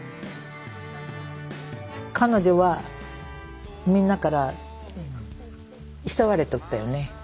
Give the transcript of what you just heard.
彼女はみんなから慕われとったよね。